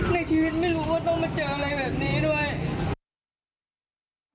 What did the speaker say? ในชีวิตไม่รู้ว่าต้องมาเจออะไรแบบนี้ด้วย